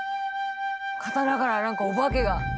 刀から何かお化けが。